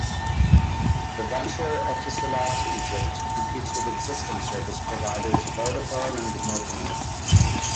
The venture, Etisalat Egypt, competes with existing service providers Vodafone and Mobinil.